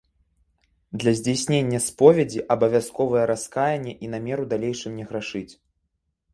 Для здзяйснення споведзі абавязковыя раскаянне і намер у далейшым не грашыць.